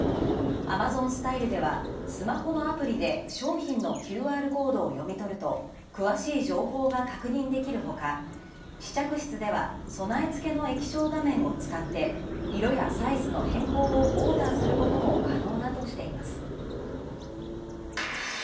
アマゾン・スタイルでは、スマホのアプリで商品のＱＲコードを読み取ると詳しい情報が確認できるほか試着室では、備え付けの液晶画面を使って色やサイズの変更をオーダーすることも可能だとしています。